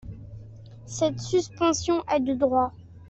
Cette suspension est de droit.